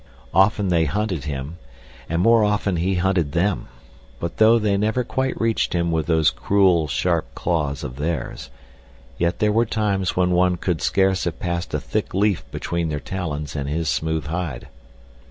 Often they hunted him, and more often he hunted them, but though they never quite reached him with those cruel, sharp claws of theirs, yet there were times when one could scarce have passed a thick leaf between their talons and his smooth hide.